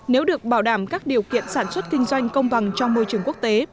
nếu được bảo đảm các điều kiện sản xuất kinh doanh công bằng trong môi trường quốc tế